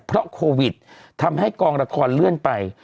เพราะโควิดทำให้กองละครเลื่อนไป